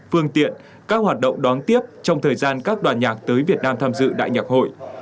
phương tiện các hoạt động đón tiếp trong thời gian các đoàn nhạc tới việt nam tham dự đại nhạc hội